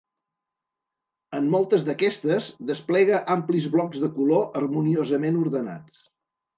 En moltes d'aquestes, desplega amplis blocs de color harmoniosament ordenats.